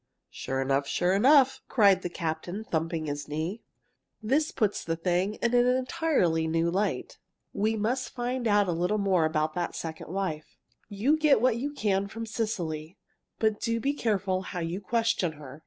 "Sure enough! sure enough!" cried the captain, thumping his knee. "This puts the thing in an entirely new light. We must find out a little more about that second wife. You get what you can from Cecily, but do be careful how you question her.